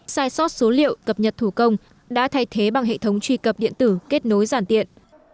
sai sót số liệu cập nhật thủ công đã thay thế bằng hệ thống truy cập điện tử kết nối giản tiện